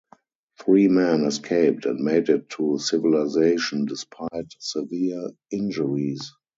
Three men escaped and made it to civilization despite severe injuries.